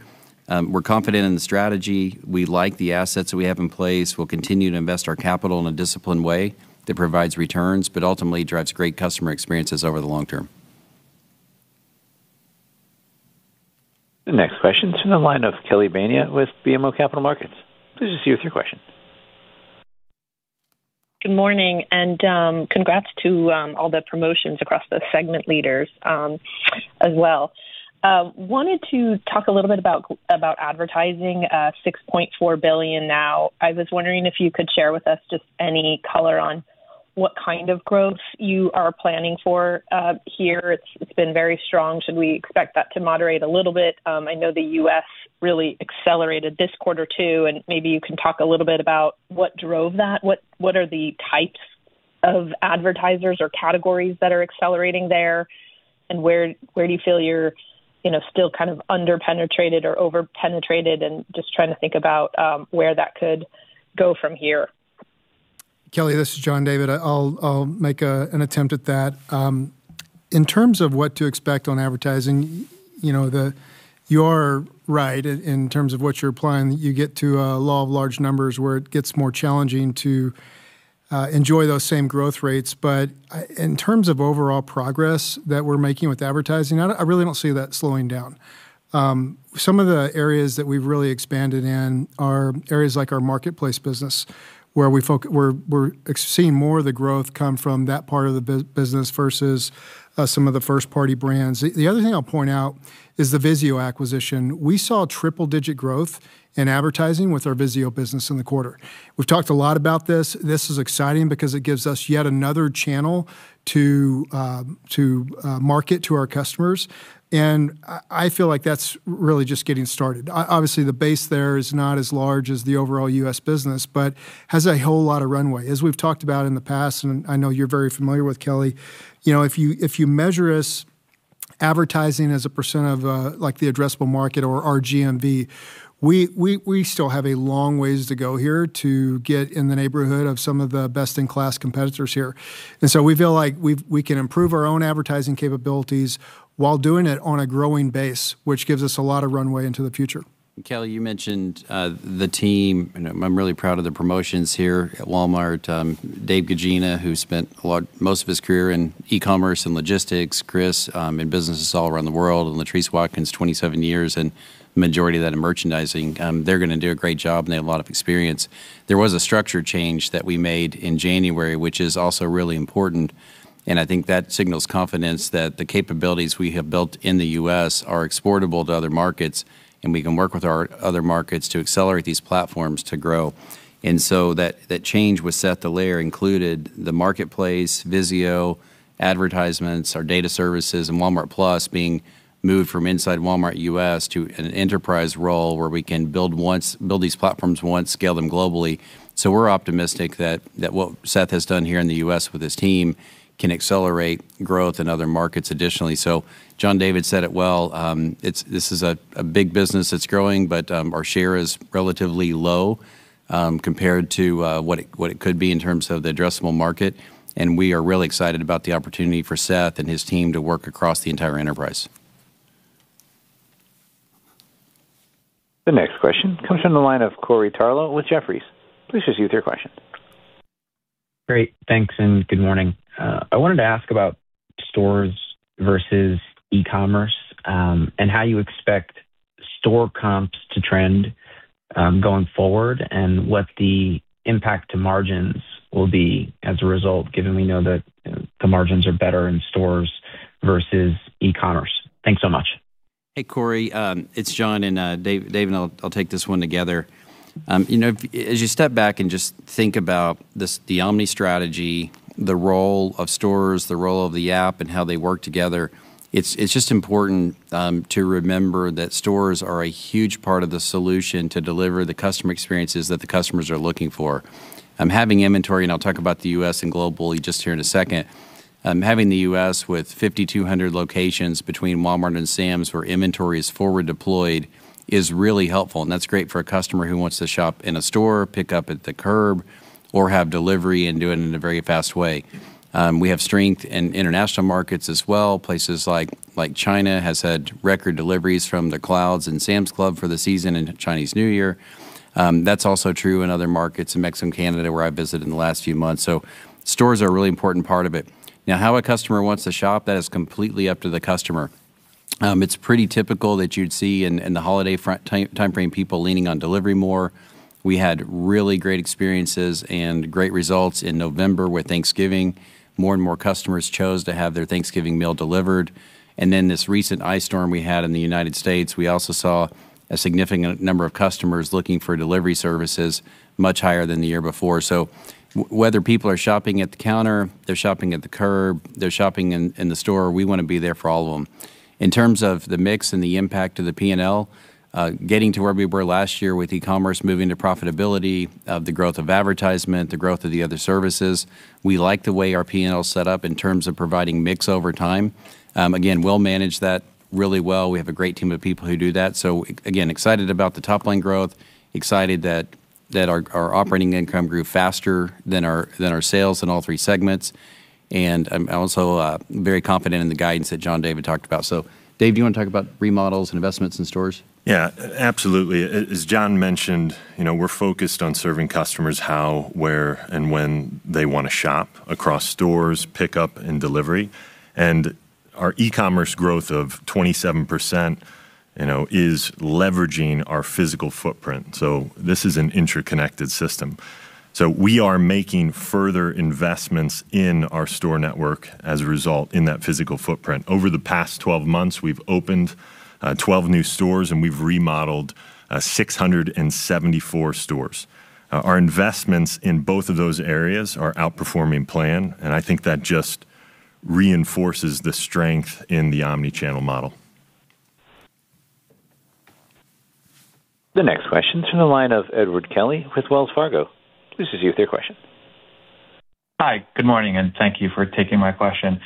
we're confident in the strategy. We like the assets that we have in place. We'll continue to invest our capital in a disciplined way that provides returns, but ultimately drives great customer experiences over the long term. The next question is from the line of Kelly Bania with BMO Capital Markets. Please proceed with your question. Good morning, and congrats to all the promotions across the segment leaders, as well. Wanted to talk a little bit about advertising, $6.4 billion now. I was wondering if you could share with us just any color on what kind of growth you are planning for here? It's been very strong. Should we expect that to moderate a little bit? I know the US really accelerated this quarter, too, and maybe you can talk a little bit about what drove that. What are the types of advertisers or categories that are accelerating there? And where do you feel you're, you know, still kind of under penetrated or over penetrated and just trying to think about where that could go from here. Kelly, this is John David. I'll make an attempt at that. In terms of what to expect on advertising, you know, the. You're right in terms of what you're implying. You get to a law of large numbers where it gets more challenging to enjoy those same growth rates. But in terms of overall progress that we're making with advertising, I really don't see that slowing down. Some of the areas that we've really expanded in are areas like our Marketplace business, where we're seeing more of the growth come from that part of the business versus some of the first-party brands. The other thing I'll point out is the VIZIO acquisition. We saw triple-digit growth in advertising with our VIZIO business in the quarter. We've talked a lot about this. This is exciting because it gives us yet another channel to market to our customers, and I feel like that's really just getting started. Obviously, the base there is not as large as the overall U.S. business, but has a whole lot of runway. As we've talked about in the past, and I know you're very familiar with, Kelly, you know, if you measure us- Advertising as a % of, like, the addressable market or our GMV, we still have a long ways to go here to get in the neighborhood of some of the best-in-class competitors here. And so we feel like we can improve our own advertising capabilities while doing it on a growing base, which gives us a lot of runway into the future. And Kelly, you mentioned the team, and I'm really proud of the promotions here at Walmart. Dave Guggina, who spent most of his career in e-commerce and logistics, Chris, in businesses all around the world, and Latriece Watkins, 27 years, and majority of that in merchandising. They're gonna do a great job, and they have a lot of experience. There was a structure change that we made in January, which is also really important, and I think that signals confidence that the capabilities we have built in the U.S. are exportable to other markets, and we can work with our other markets to accelerate these platforms to grow. And so that change with Seth Dallaire included the Marketplace, VIZIO, advertisements, our data services, and Walmart+ being moved from inside Walmart U.S. to an enterprise role, where we can build once, build these platforms once, scale them globally. So we're optimistic that what Seth has done here in the U.S. with his team can accelerate growth in other markets additionally. So John David said it well, it's this is a big business that's growing, but our share is relatively low, compared to what it could be in terms of the addressable market, and we are really excited about the opportunity for Seth and his team to work across the entire enterprise. The next question comes from the line of Corey Tarlowe with Jefferies. Please proceed with your question. Great. Thanks, and good morning. I wanted to ask about stores versus e-commerce, and how you expect store comps to trend, going forward, and what the impact to margins will be as a result, given we know that the margins are better in stores versus e-commerce. Thanks so much. Hey, Corey, it's John and Dave. Dave and I'll, I'll take this one together. You know, as you step back and just think about this, the omni strategy, the role of stores, the role of the app, and how they work together, it's just important to remember that stores are a huge part of the solution to deliver the customer experiences that the customers are looking for. Having inventory, and I'll talk about the U.S. and globally just here in a second, having the U.S. with 5,200 locations between Walmart and Sam's, where inventory is forward deployed, is really helpful, and that's great for a customer who wants to shop in a store, pick up at the curb, or have delivery and do it in a very fast way. We have strength in international markets as well. Places like China has had record deliveries from the clubs and Sam's Club for the season and Chinese New Year. That's also true in other markets, in Mexico and Canada, where I visited in the last few months. So stores are a really important part of it. Now, how a customer wants to shop, that is completely up to the customer. It's pretty typical that you'd see in the holiday timeframe, people leaning on delivery more. We had really great experiences and great results in November with Thanksgiving. More and more customers chose to have their Thanksgiving meal delivered. And then, this recent ice storm we had in the United States, we also saw a significant number of customers looking for delivery services much higher than the year before. So whether people are shopping at the counter, they're shopping at the curb, they're shopping in the store, we wanna be there for all of them. In terms of the mix and the impact of the P&L, getting to where we were last year with e-commerce, moving to profitability, of the growth of advertisement, the growth of the other services, we like the way our P&L is set up in terms of providing mix over time. Again, we'll manage that really well. We have a great team of people who do that. So again, excited about the top line growth, excited that our operating income grew faster than our sales in all three segments, and I'm also very confident in the guidance that John David talked about. So Dave, do you want to talk about remodels and investments in stores? Yeah, absolutely. As John mentioned, you know, we're focused on serving customers how, where, and when they want to shop across stores, pickup, and delivery. And our e-commerce growth of 27%, you know, is leveraging our physical footprint. So this is an interconnected system. So we are making further investments in our store network as a result in that physical footprint. Over the past 12 months, we've opened 12 new stores, and we've remodeled 674 stores. Our investments in both of those areas are outperforming plan, and I think that just reinforces the strength in the omni-channel model. The next question is from the line of Edward Kelly with Wells Fargo. Please proceed with your question. Hi, good morning, and thank you for taking my question.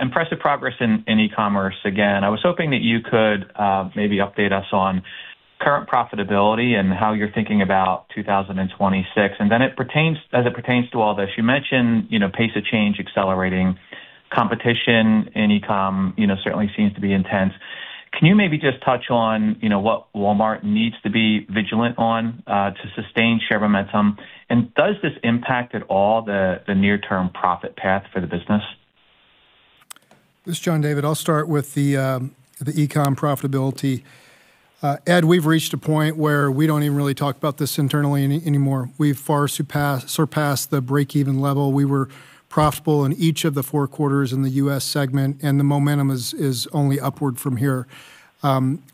Impressive progress in, in e-commerce again. I was hoping that you could, maybe update us on current profitability and how you're thinking about 2026. And then it pertains- as it pertains to all this, you mentioned, you know, pace of change, accelerating competition, and e-com, you know, certainly seems to be intense. Can you maybe just touch on, you know, what Walmart needs to be vigilant on, to sustain share momentum? And does this impact at all the, the near-term profit path for the business? This is John David. I'll start with the e-com profitability. Ed, we've reached a point where we don't even really talk about this internally anymore. We've far surpassed the break-even level. We were profitable in each of the four quarters in the U.S. segment, and the momentum is only upward from here.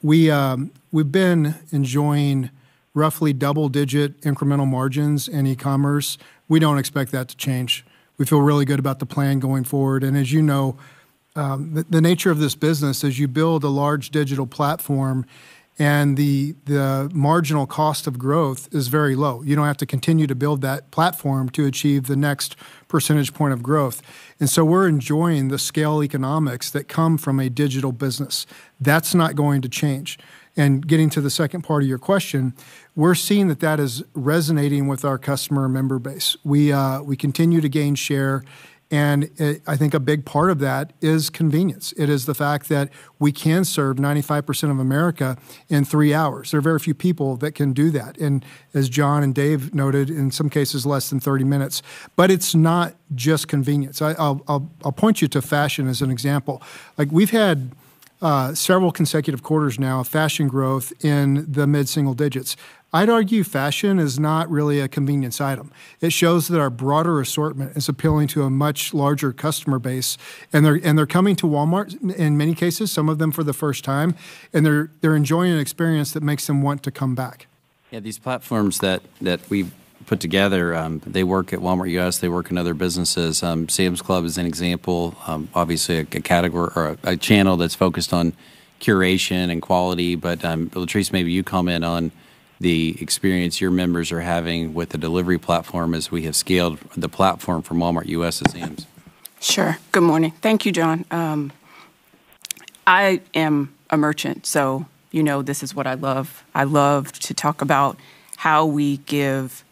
We've been enjoying roughly double-digit incremental margins in e-commerce. We don't expect that to change. We feel really good about the plan going forward, and as you know- The nature of this business is you build a large digital platform, and the marginal cost of growth is very low. You don't have to continue to build that platform to achieve the next percentage point of growth. And so we're enjoying the scale economics that come from a digital business. That's not going to change. And getting to the second part of your question, we're seeing that that is resonating with our customer member base. We, we continue to gain share, and, I think a big part of that is convenience. It is the fact that we can serve 95% of America in three hours. There are very few people that can do that, and as John and Dave noted, in some cases, less than 30 minutes. But it's not just convenience. I'll point you to fashion as an example. Like, we've had several consecutive quarters now of fashion growth in the mid-single digits. I'd argue fashion is not really a convenience item. It shows that our broader assortment is appealing to a much larger customer base, and they're coming to Walmart, in many cases, some of them for the first time, and they're enjoying an experience that makes them want to come back. Yeah, these platforms that we've put together, they work at Walmart U.S., they work in other businesses. Sam's Club is an example, obviously, a category or a channel that's focused on curation and quality, but, Latriece, maybe you comment on the experience your members are having with the delivery platform as we have scaled the platform from Walmart U.S. and Sam's. Sure. Good morning. Thank you, John. I am a merchant, so you know, this is what I love. I love to talk about how we give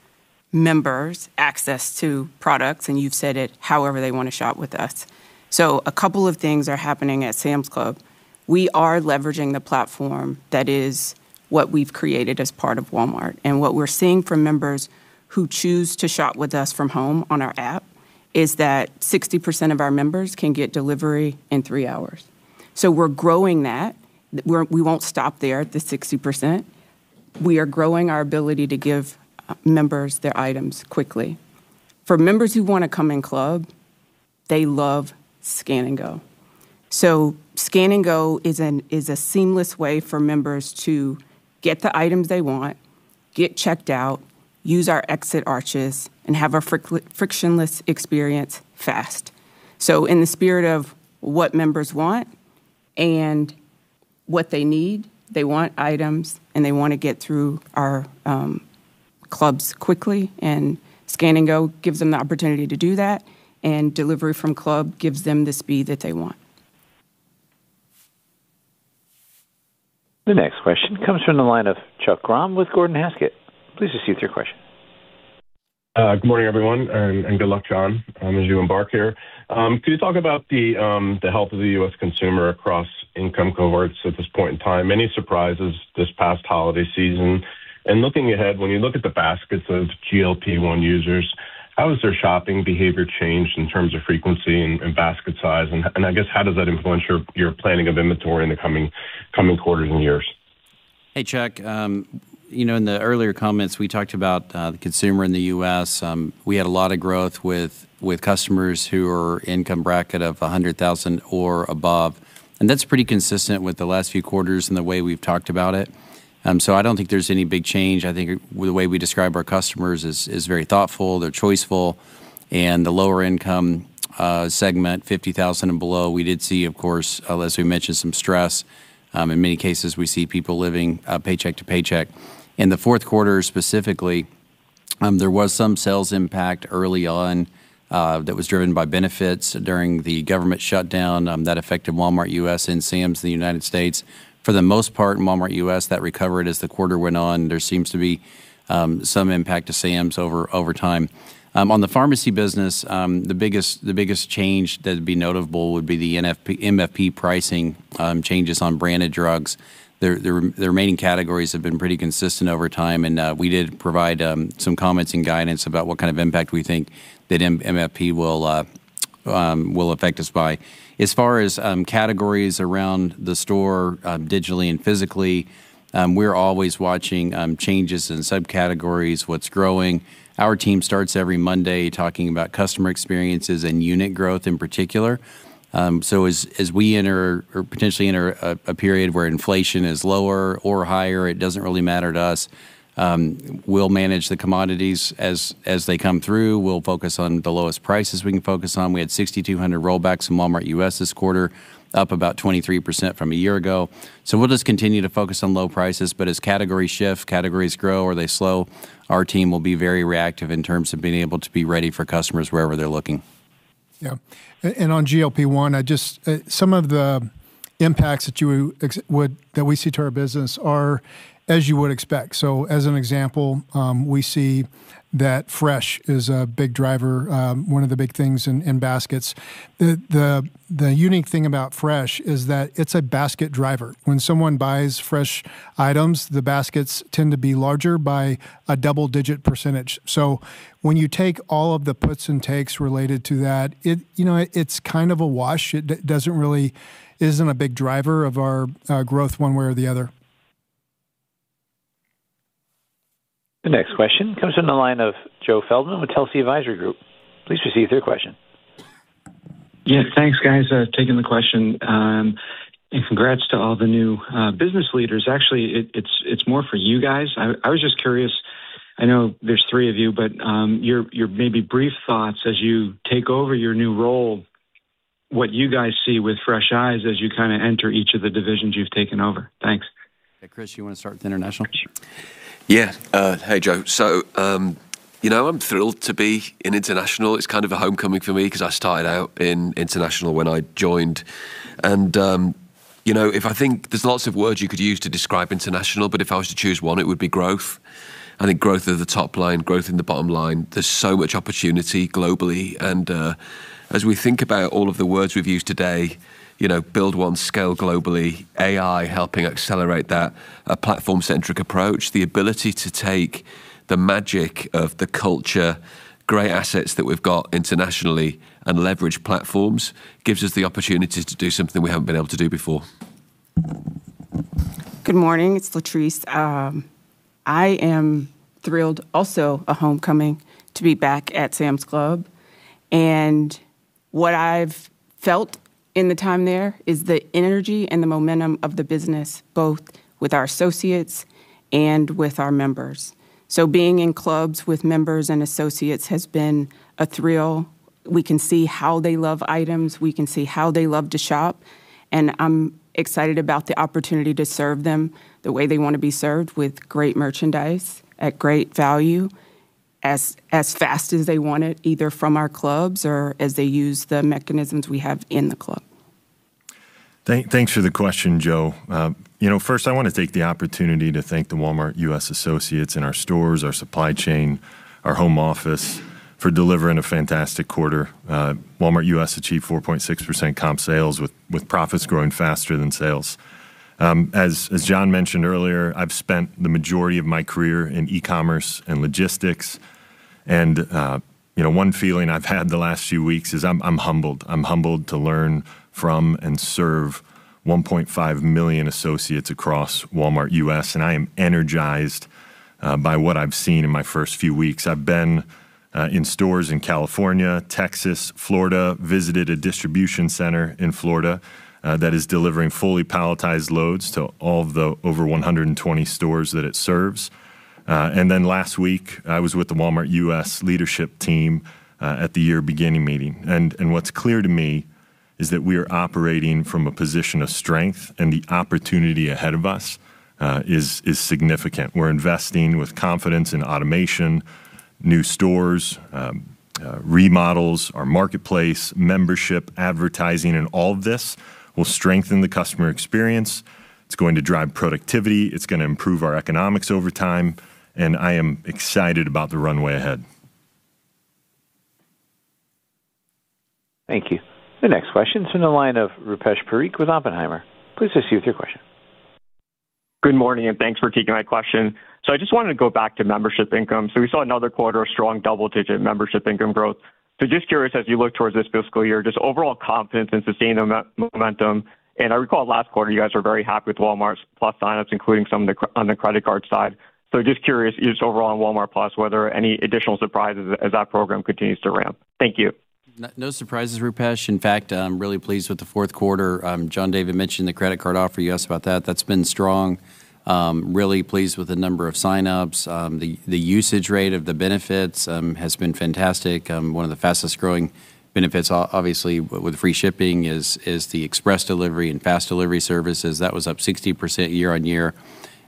members access to products, and you've said it, however they want to shop with us. So a couple of things are happening at Sam's Club. We are leveraging the platform that is what we've created as part of Walmart, and what we're seeing from members who choose to shop with us from home on our app is that 60% of our members can get delivery in three hours. So we're growing that. We won't stop there at the 60%. We are growing our ability to give members their items quickly. For members who want to come in club, they love Scan & Go. So Scan & Go is a seamless way for members to get the items they want, get checked out, use our exit arches, and have a frictionless experience fast. So in the spirit of what members want and what they need, they want items, and they want to get through our clubs quickly, and Scan & Go gives them the opportunity to do that, and delivery from club gives them the speed that they want. The next question comes from the line of Chuck Grom with Gordon Haskett. Please proceed with your question. Good morning, everyone, and good luck, John, as you embark here. Can you talk about the health of the U.S. consumer across income cohorts at this point in time? Any surprises this past holiday season? And looking ahead, when you look at the baskets of GLP-1 users, how has their shopping behavior changed in terms of frequency and basket size? And I guess, how does that influence your planning of inventory in the coming quarters and years? Hey, Chuck. You know, in the earlier comments, we talked about the consumer in the U.S. We had a lot of growth with customers who are income bracket of 100,000 or above, and that's pretty consistent with the last few quarters and the way we've talked about it. So I don't think there's any big change. I think the way we describe our customers is very thoughtful, they're choiceful, and the lower income segment, 50,000 and below, we did see, of course, as we mentioned, some stress. In many cases, we see people living paycheck to paycheck. In the fourth quarter, specifically, there was some sales impact early on that was driven by benefits during the government shutdown that affected Walmart U.S. and Sam's, the United States. For the most part, in Walmart U.S., that recovered as the quarter went on. There seems to be some impact to Sam's over time. On the pharmacy business, the biggest change that would be notable would be the MFP pricing changes on branded drugs. The remaining categories have been pretty consistent over time, and we did provide some comments and guidance about what kind of impact we think that MFP will affect us by. As far as categories around the store, digitally and physically, we're always watching changes in subcategories, what's growing. Our team starts every Monday talking about customer experiences and unit growth in particular. So as we enter or potentially enter a period where inflation is lower or higher, it doesn't really matter to us. We'll manage the commodities as they come through. We'll focus on the lowest prices we can focus on. We had 6,200 rollbacks in Walmart U.S. this quarter, up about 23% from a year ago. So we'll just continue to focus on low prices, but as categories shift, categories grow or they slow, our team will be very reactive in terms of being able to be ready for customers wherever they're looking. Yeah. And on GLP-1, I just, some of the impacts that we see to our business are as you would expect. So as an example, we see that fresh is a big driver, one of the big things in baskets. The unique thing about fresh is that it's a basket driver. When someone buys fresh items, the baskets tend to be larger by a double-digit percentage. So when you take all of the puts and takes related to that, it, you know, it's kind of a wash. It isn't really a big driver of our growth one way or the other. The next question comes from the line of Joe Feldman with Telsey Advisory Group. Please proceed with your question. Yeah, thanks, guys, taking the question. Congrats to all the new business leaders. Actually, it's more for you guys. I was just curious- I know there's three of you, but, your maybe brief thoughts as you take over your new role, what you guys see with fresh eyes as you kind of enter each of the divisions you've taken over? Thanks. Hey, Chris, you wanna start with international? Yeah. Hey, Joe. So, you know, I'm thrilled to be in international. It's kind of a homecoming for me 'cause I started out in international when I joined. And, you know, if I think, there's lots of words you could use to describe international, but if I was to choose one, it would be growth, and in growth of the top line, growth in the bottom line. There's so much opportunity globally, and, as we think about all of the words we've used today, you know, Build One, scale globally, AI helping accelerate that, a platform-centric approach, the ability to take the magic of the culture, great assets that we've got internationally, and leverage platforms, gives us the opportunity to do something we haven't been able to do before. Good morning. It's Latriece. I am thrilled, also a homecoming, to be back at Sam's Club. What I've felt in the time there is the energy and the momentum of the business, both with our associates and with our members. Being in clubs with members and associates has been a thrill. We can see how they love items, we can see how they love to shop, and I'm excited about the opportunity to serve them the way they wanna be served, with great merchandise at great value, as fast as they want it, either from our clubs or as they use the mechanisms we have in the club. Thanks for the question, Joe. You know, first, I wanna take the opportunity to thank the Walmart U.S. associates in our stores, our supply chain, our home office, for delivering a fantastic quarter. Walmart U.S. achieved 4.6% comp sales, with profits growing faster than sales. As John mentioned earlier, I've spent the majority of my career in e-commerce and logistics, and you know, one feeling I've had the last few weeks is I'm humbled. I'm humbled to learn from and serve 1.5 million associates across Walmart U.S., and I am energized by what I've seen in my first few weeks. I've been in stores in California, Texas, Florida, visited a distribution center in Florida that is delivering fully palletized loads to all of the over 120 stores that it serves. And then last week, I was with the Walmart U.S. leadership team at the year beginning meeting, and what's clear to me is that we are operating from a position of strength, and the opportunity ahead of us is significant. We're investing with confidence in automation, new stores, remodels, our Marketplace, membership, advertising, and all of this will strengthen the customer experience, it's going to drive productivity, it's gonna improve our economics over time, and I am excited about the runway ahead. Thank you. The next question is in the line of Rupesh Parikh with Oppenheimer. Please proceed with your question. Good morning, and thanks for taking my question. So I just wanted to go back to membership income. So we saw another quarter of strong double-digit membership income growth. So just curious, as you look towards this fiscal year, just overall confidence in sustaining the momentum, and I recall last quarter, you guys were very happy with Walmart+ sign-ups, including some of the crossover on the credit card side. So just curious, just overall on Walmart+, whether any additional surprises as that program continues to ramp. Thank you. No surprises, Rupesh. In fact, I'm really pleased with the fourth quarter. John David mentioned the credit card offer. You asked about that. That's been strong. Really pleased with the number of sign-ups. The usage rate of the benefits has been fantastic. One of the fastest-growing benefits obviously, with free shipping, is the Express Delivery and fast delivery services. That was up 60% year-over-year,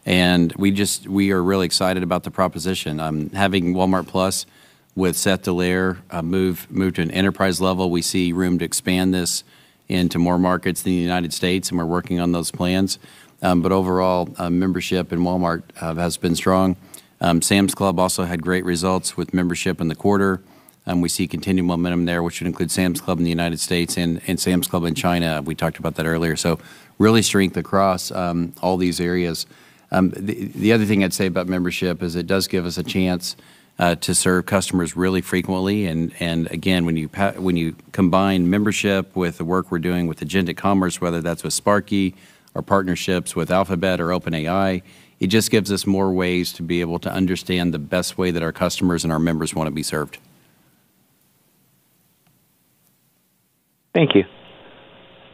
and we are really excited about the proposition. Having Walmart+ with Seth Dallaire move to an enterprise level, we see room to expand this into more markets in the United States, and we're working on those plans. But overall, membership in Walmart has been strong. Sam's Club also had great results with membership in the quarter, and we see continued momentum there, which should include Sam's Club in the United States and, and Sam's Club in China. We talked about that earlier. So really strength across all these areas. The other thing I'd say about membership is it does give us a chance to serve customers really frequently, and, and again, when you combine membership with the work we're doing with Agentic Commerce, whether that's with Sparky or partnerships with Alphabet or OpenAI, it just gives us more ways to be able to understand the best way that our customers and our members wanna be served. Thank you.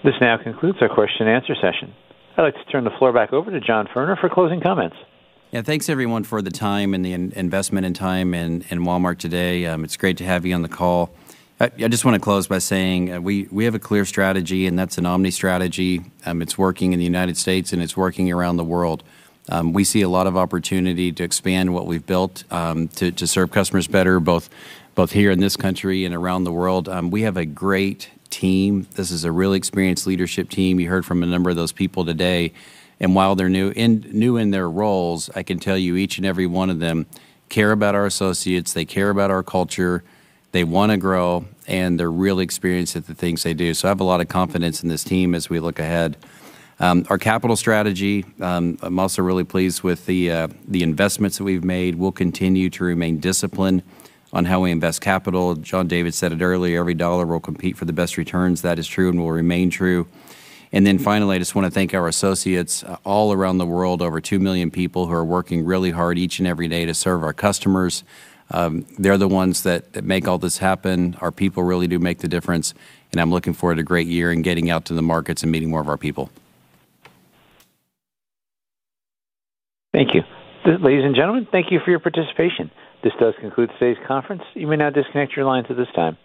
This now concludes our question and answer session. I'd like to turn the floor back over to John Furner for closing comments. Yeah, thanks everyone for the time and the investment and time in Walmart today. It's great to have you on the call. I just wanna close by saying, we have a clear strategy, and that's an omni strategy. It's working in the United States, and it's working around the world. We see a lot of opportunity to expand what we've built, to serve customers better, both here in this country and around the world. We have a great team. This is a really experienced leadership team. You heard from a number of those people today, and while they're new in their roles, I can tell you, each and every one of them care about our associates, they care about our culture, they wanna grow, and they're really experienced at the things they do. So I have a lot of confidence in this team as we look ahead. Our capital strategy, I'm also really pleased with the, the investments that we've made. We'll continue to remain disciplined on how we invest capital. John David said it earlier: every dollar will compete for the best returns. That is true and will remain true. And then finally, I just wanna thank our associates, all around the world, over 2 million people who are working really hard each and every day to serve our customers. They're the ones that make all this happen. Our people really do make the difference, and I'm looking forward to a great year and getting out to the markets and meeting more of our people. Thank you. Ladies and gentlemen, thank you for your participation. This does conclude today's conference. You may now disconnect your lines at this time.